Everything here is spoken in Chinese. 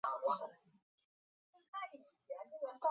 连滩镇是下辖的一个乡镇级行政单位。